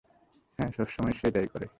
হ্যাঁ, সবসময় সে এটাই করে।